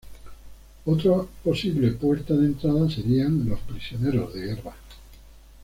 Otra posible puerta de entrada serían los prisioneros de guerra.